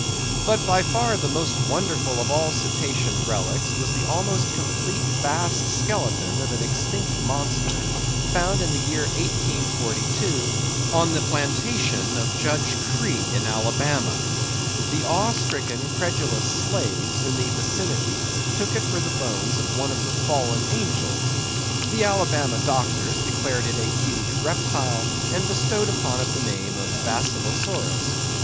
But by far the most wonderful of all Cetacean relics was the almost complete vast skeleton of an extinct monster, found in the year 1842, on the plantation of Judge Creagh, in Alabama. The awe stricken credulous slaves in the vicinity took it for the bones of one of the fallen angels. The Alabama doctors declared it a huge reptile, and bestowed upon it the name of Basilosaurus.